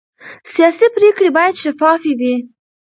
سیاسي پرېکړې باید شفافې وي